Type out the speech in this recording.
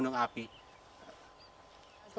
dengan alam khususnya gunung api